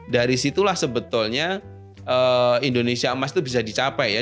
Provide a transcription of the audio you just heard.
dari situlah sebetulnya indonesia emas itu bisa dicapai ya